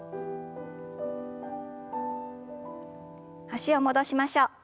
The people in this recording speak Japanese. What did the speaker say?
脚を戻しましょう。